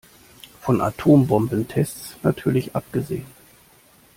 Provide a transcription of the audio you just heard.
Von Atombombentests natürlich abgesehen.